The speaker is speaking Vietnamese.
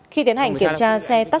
khi tiến hành kiểm tra xe taxi